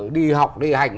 đi học đi hành